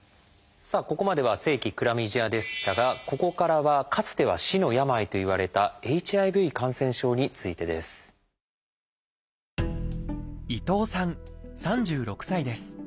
さあここまでは性器クラミジアでしたがここからはかつては「死の病」といわれたＨＩＶ感染症についてです。